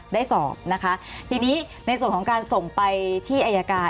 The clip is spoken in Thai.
ได้สอบนะคะทีนี้ในส่วนของการส่งไปที่อายการ